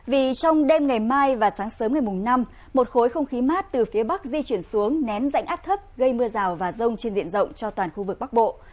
vì trong đêm ngày mai và sáng sớm ngày năm một khối không khí mát từ phía bắc di chuyển xuống nén dạnh áp thấp gây mưa rào và rông trên diện rộng cho toàn khu vực bắc bộ